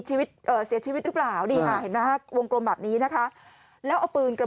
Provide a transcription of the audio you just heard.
ชีวิตเสียชีวิตหรือเปล่าดีนะวงกลมแบบนี้นะคะแล้วเอาปืนกระ